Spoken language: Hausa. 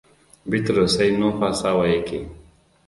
Bitrus sai numfasawa ya ke.